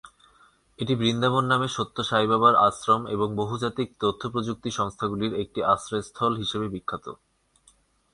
এটি "বৃন্দাবন" নামে সত্য সাই বাবার আশ্রম এবং বহুজাতিক তথ্যপ্রযুক্তি সংস্থাগুলির একটি আশ্রয়স্থল হিসাবে বিখ্যাত।